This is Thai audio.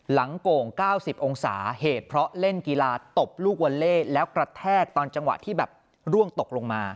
โก่ง๙๐องศาเหตุเพราะเล่นกีฬาตบลูกวัลเล่แล้วกระแทกตอนจังหวะที่แบบร่วงตกลงมา